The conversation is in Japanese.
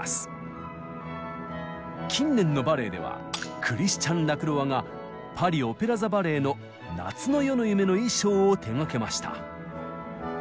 近年のバレエではクリスチャン・ラクロワがパリオペラ座バレエの「夏の夜の夢」の衣装を手がけました。